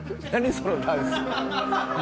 そのダンス。